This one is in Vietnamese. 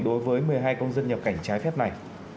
đối với một mươi hai công dân nhập cảnh trái phép này